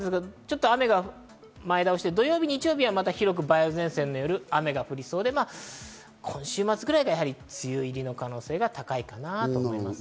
土曜日、日曜日は広く梅雨前線による雨が降りそうで、今週末ぐらいが梅雨入りの可能性が高いかなと思います。